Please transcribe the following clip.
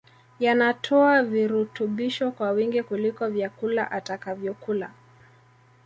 yanatoa virutubisho kwa wingi kuliko vyakula atakavyokula